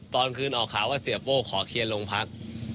ตอนคืนออกข่าวว่าเสียโป้ขอเคลียร์โรงพัก